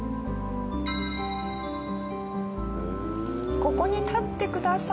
「ここに立ってください。